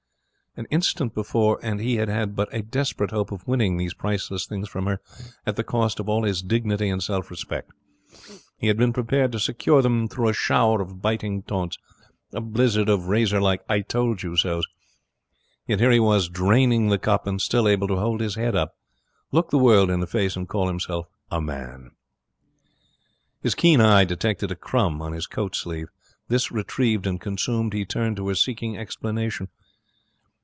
An instant before and he had had but a desperate hope of winning these priceless things from her at the cost of all his dignity and self respect. He had been prepared to secure them through a shower of biting taunts, a blizzard of razor like 'I told you so's'. Yet here he was, draining the cup, and still able to hold his head up, look the world in the face, and call himself a man. His keen eye detected a crumb on his coat sleeve. This retrieved and consumed, he turned to her, seeking explanation.